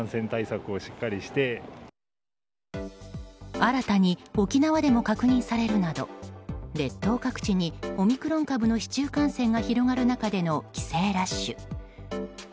新たに沖縄でも確認されるなど列島各地に、オミクロン株の市中感染が広がる中での帰省ラッシュ。